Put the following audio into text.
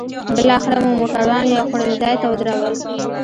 بالاخره مو موټران یو خوړنځای ته ودرول.